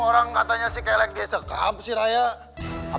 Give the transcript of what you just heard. orang katanya si kelek dia sekam si raya